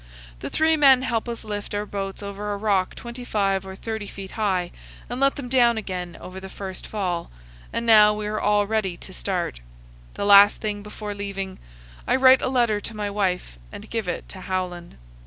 The three men help us lift our boats over a rock 25 or 30 feet high and let them down again over the first fall, and now we are all ready to start. The last thing before leaving, I write a letter to my wife and give it to Howland.